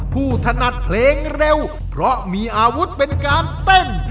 ถนัดเพลงเร็วเพราะมีอาวุธเป็นการเต้น